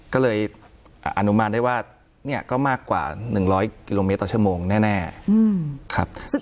ก็เลยอนุมานได้ว่าเนี่ยก็มากกว่า๑๐๐กิโลเมตรต่อชั่วโมงแน่ครับ